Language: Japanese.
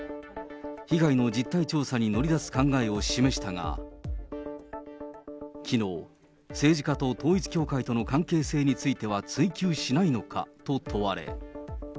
被害の実態調査に乗り出す考えを示したが、きのう、政治家と統一教会との関係性については追及しないのかと問われ。